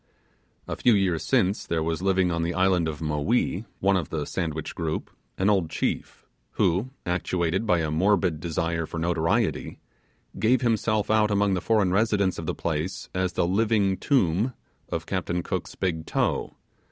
A few years since there was living on the island of Maui (one of the Sandwich group) an old chief, who, actuated by a morbid desire for notoriety, gave himself out among the foreign residents of the place as the living tomb of Captain Cook's big toe!